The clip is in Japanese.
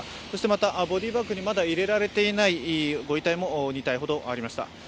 そしてまたボディーバッグにまだ入れられていないご遺体も２体ほどありました。